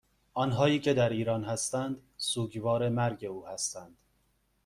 آنهایی که در ایران هستند سوگوار مرگ او هستند